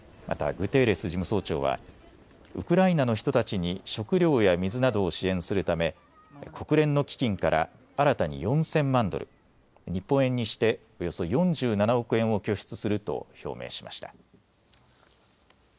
またグテーレス事務総長はウクライナの人たちに食料や水などを支援するため国連の基金から新たに４０００万ドル、日本円にしておよそ４７億円を拠出すると表明しました。